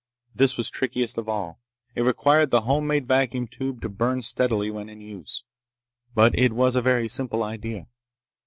This was trickiest of all. It required the home made vacuum tube to burn steadily when in use. But it was a very simple idea.